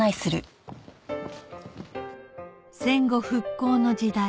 戦後復興の時代